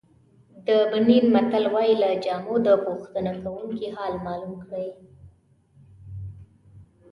د بنین متل وایي له جامو د پوښتنه کوونکي حال معلوم کړئ.